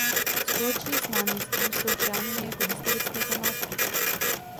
Společně s náměstím jsou chráněny jako historické památky.